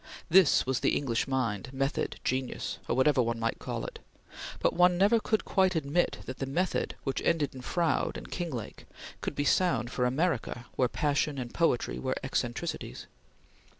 This was the English mind, method, genius, or whatever one might call it; but one never could quite admit that the method which ended in Froude and Kinglake could be sound for America where passion and poetry were eccentricities.